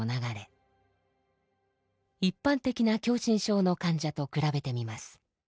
一般的な狭心症の患者と比べてみます。